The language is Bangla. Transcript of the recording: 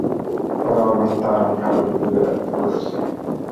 ওরা অবস্থা আরো খারাপের দিকে যাবে বলেছে।